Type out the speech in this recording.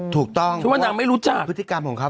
ถูกต้องเพราะว่านางไม่รู้จักพฤติกรรมของเขา